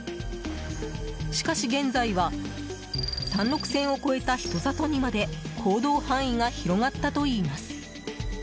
しかし、現在は山麓線を越えた人里にまで行動範囲が広がったといいます。